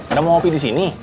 anda mau kopi disini